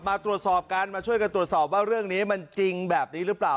มาตรวจสอบกันมาช่วยกันตรวจสอบว่าเรื่องนี้มันจริงแบบนี้หรือเปล่า